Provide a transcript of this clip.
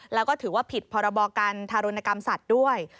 แล้วก็ถือว่าผิดพรบการทารุณกรรมสัตว์ด้วย